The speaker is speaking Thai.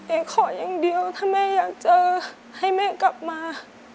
ขออย่างเดียวถ้าแม่อยากเจอให้แม่กลับมา